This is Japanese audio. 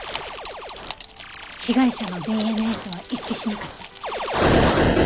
被害者のＤＮＡとは一致しなかった。